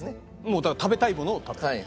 もう食べたいものを食べる。